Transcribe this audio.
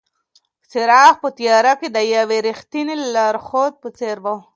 څراغ په تیاره کې د یوې رښتینې لارښود په څېر و.